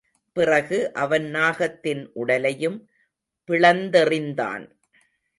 பிறகு அவன் நாகத்தின் உடலையும் பிளந்தெறிந்தான்.